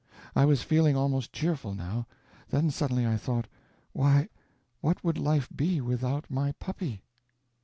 I was feeling almost cheerful now; then suddenly I thought: Why, what would life be without my puppy!